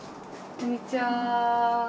こんにちは。